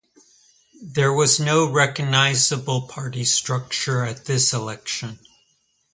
There was no recognisable party structure at this election.